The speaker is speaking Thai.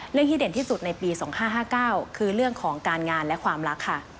ที่เด่นที่สุดในปี๒๕๕๙คือเรื่องของการงานและความรักค่ะ